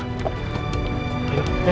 ada oh ini ada